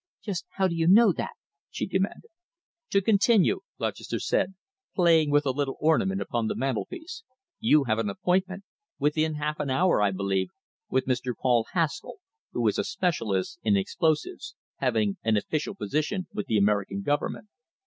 "Just how do you know that?" she demanded. "To continue," Lutchester said, playing with a little ornament upon the mantelpiece, "you have an appointment within half an hour, I believe with Mr. Paul Haskall, who is a specialist in explosives, having an official position with the American Government."